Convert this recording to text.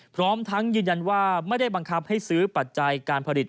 พร้อมทั้งยืนยันว่าไม่ได้บังคับให้ซื้อปัจจัยการผลิต